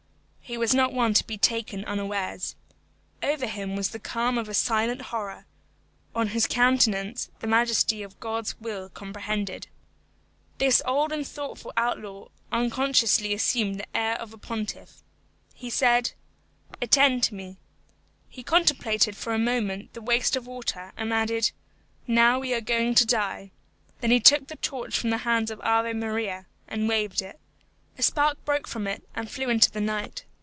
He was not one to be taken unawares. Over him was the calm of a silent horror: on his countenance the majesty of God's will comprehended. This old and thoughtful outlaw unconsciously assumed the air of a pontiff. He said, "Attend to me." He contemplated for a moment the waste of water, and added, "Now we are going to die." Then he took the torch from the hands of Ave Maria, and waved it. A spark broke from it and flew into the night.